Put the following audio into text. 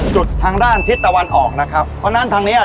จุดทางด้านทิศตะวันออกนะครับเพราะฉะนั้นทางเนี้ย